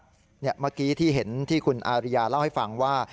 เมื่อกี้ที่เห็นที่คุณอาริยาเล่าให้ฟังว่า